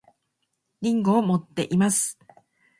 りんごを持っています